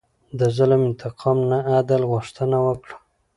د ظلم انتقام نه، عدل غوښتنه وکړه.